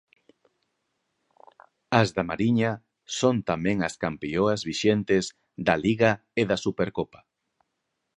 As da Mariña son tamén as campioas vixentes da Liga e da Supercopa.